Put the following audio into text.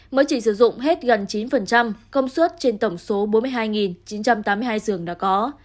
mới chỉ sử dụng hết gần chín công suất trên tổng số bốn mươi hai chín trăm tám mươi hai giường đã có